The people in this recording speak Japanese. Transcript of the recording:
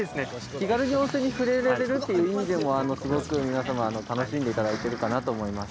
気軽に温泉に触れられるという意味でも、すごく皆様楽しんでいただいているかなと思います。